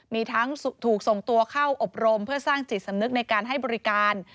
มีทั้งถูกส่งตัวเข้าอบรมเพื่อสร้างจิตสำนึกในการให้บริการ